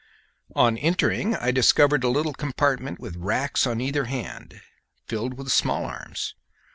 On entering I discovered a little compartment with racks on either hand filled with small arms.